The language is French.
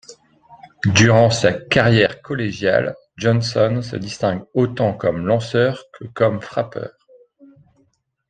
Durant sa carrière collégiale, Johnson se distingue autant comme lanceur que comme frappeur.